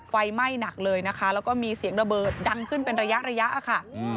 ไฟไหม้หนักเลยนะคะแล้วก็มีเสียงระเบิดดังขึ้นเป็นระยะระยะค่ะ